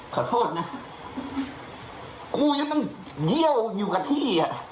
ขอโทษนะครูยังต้องเยี่ยวอยู่กับพี่อ่ะ